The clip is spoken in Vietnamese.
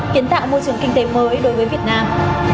kiến tạo môi trường kinh tế mới đối với việt nam